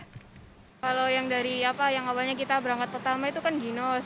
kalau yang dari apa yang awalnya kita berangkat pertama itu kan ginos